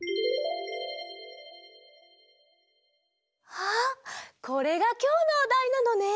あっこれがきょうのおだいなのね。